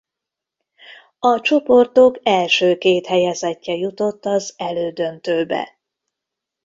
A csoportok első két helyezettje jutott az elődöntőbe.